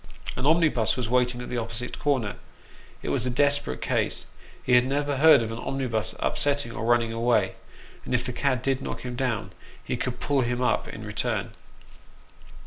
An omnibus was waiting at the opposite corner it was a desperate case he had never heard of an omnibus upsetting or running away, and if the cad did knock him down, he could " pull him up " in return.